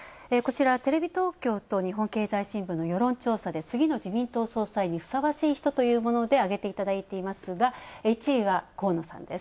テレビ東京と日本経済新聞の世論調査で次の自民党総裁にふさわしい人を挙げていただいていますが、１位は河野さんです。